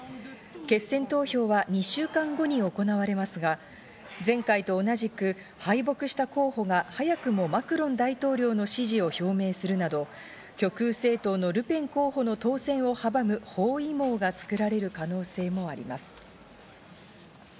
決選投票は２週間後に行われますが、前回と同じく敗北した候補が早くもマクロン大統領の支持を表明するなど極右政党のルペン候補の当選を阻む包囲網が作られる可能性もあります。